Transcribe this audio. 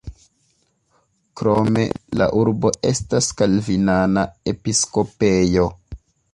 Krome la urbo estas kalvinana episkopejo.